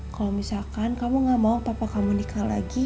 kalau misalkan kamu gak mau papa kamu nikah lagi